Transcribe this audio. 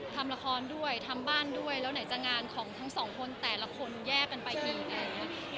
ทำละครด้วยทำบ้านด้วยแล้วไหนจะงานของทั้งสองคนแต่ละคนแยกกันไปอีกอะไรอย่างนี้